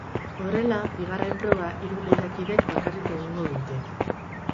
Horrela, bigarren proba hiru lehiakidek bakarrik egingo dute.